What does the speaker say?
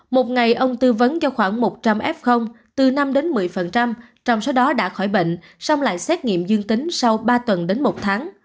một ngày ông tư vấn cho khoảng một trăm linh f từ năm đến một mươi trong số đó đã khỏi bệnh xong lại xét nghiệm dương tính sau ba tuần đến một tháng